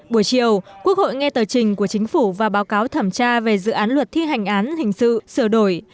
buổi chiều quốc hội nghe tờ trình của chính phủ và báo cáo thẩm tra về dự án luật thi hành án hình sự sửa đổi